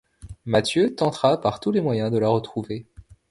Matthieu tentera par tous les moyens de la retrouver.